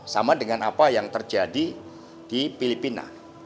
sama dengan apa yang terjadi di filipina